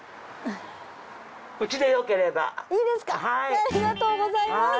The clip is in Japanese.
ありがとうございます。